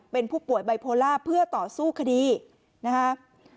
เป็นผู้ป่วยบายโพลาเพื่อต่อสู้คดีนะฮะ